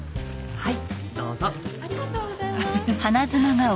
はい！